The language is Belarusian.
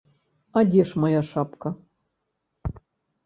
А дзе ж мая шапка?